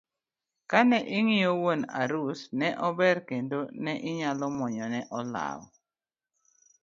Kane ing'iyo wuon arus ne ober kendo inyalo muonyo ne olaw.